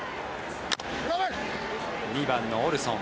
２番のオルソン。